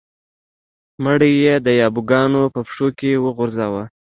مړی یې د یابو ګانو په پښو کې وغورځاوه.